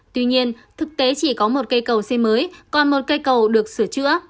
tuy nhiên thực tế chỉ có một cây cầu xây mới còn một cây cầu được sửa chữa